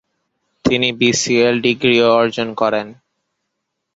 তিনি বিসিএল ডিগ্রিও অর্জন করেন।